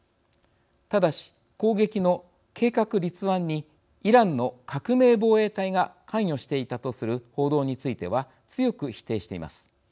ただし、攻撃の計画立案にイランの革命防衛隊が関与していたとする報道については強く否定しています。